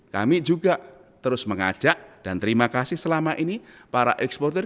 kami juga terus mengajak dan terima kasih selama ini para eksportir